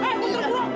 biarkan aku ya